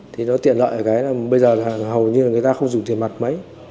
thì nó tiện lợi ở cái bây giờ hầu như người ta không dùng tiền mặt mấy